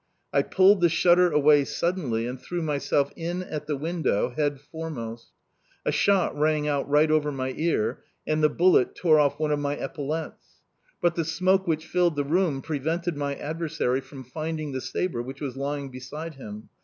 I pulled the shutter away suddenly and threw myself in at the window, head foremost. A shot rang out right over my ear, and the bullet tore off one of my epaulettes. But the smoke which filled the room prevented my adversary from finding the sabre which was lying beside him.